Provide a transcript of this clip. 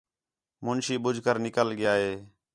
مُنشی ٻُجھ کر نِکل ڳِیا ہِے